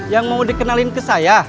yang mau dikenalin ke saya